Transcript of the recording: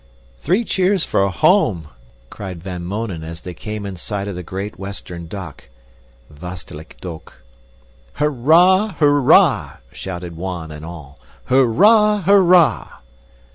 "Three cheers for home!" cried Van Mounen as they came in sight of the great Western Dock (Westelijk Dok). "Hurrah! Hurrah!" shouted one and all. "Hurrah! Hurrah!"